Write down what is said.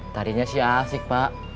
tadinya sih asik pak